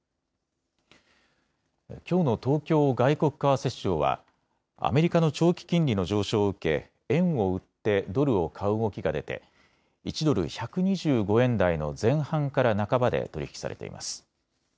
きょうの東京外国為替市場はアメリカの長期金利の上昇を受け円を売ってドルを買う動きが出て１ドル１２５円台の前半から半ばで取り引きされています。